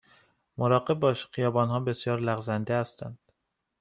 مراقب باش، خیابان ها بسیار لغزنده هستند.